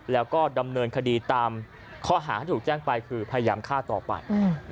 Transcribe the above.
แล้วก็ดำเนินคดีตามข้อหาที่ถูกแจ้งไปคือพยายามฆ่าต่อไป